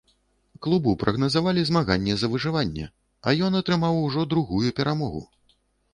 Клубу прагназавалі змаганне за выжыванне, а ён атрымаў ужо другую перамогу.